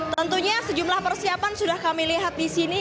tentunya sejumlah persiapan sudah kami lihat di sini